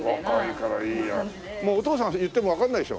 もうお父さん言ってもわかんないでしょ？